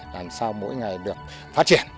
làm sao mỗi ngày được phát triển